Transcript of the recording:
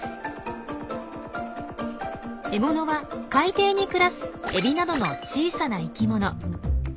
獲物は海底に暮らすエビなどの小さな生きもの。